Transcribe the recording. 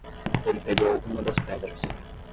Ele pegou uma das pedras.